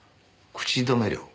口止め料？